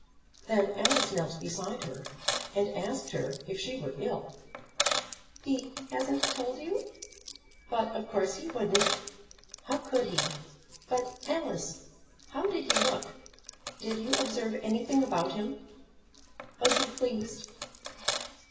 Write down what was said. Then Alice knelt beside her, and asked her if she were ill. "He hasn't told you? But of course he wouldn't. How could he? But, Alice, how did he look? Did you observe anything about him? Was he pleased?"